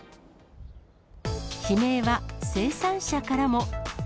悲鳴は生産者からも。